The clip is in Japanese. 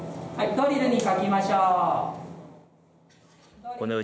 ドリルに書きましょう。